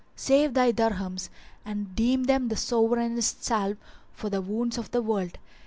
Save thy dirhams and deem them the sovereignest salve for the wounds of the world.